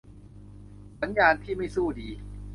สัญญาณที่ไม่สู้ดี